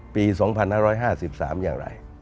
ปี๒๕๕๓อย่างไร